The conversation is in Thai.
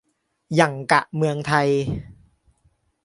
หยั่งกะเมืองไทย